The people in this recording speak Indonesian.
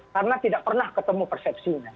karena tidak pernah ketemu persepsinya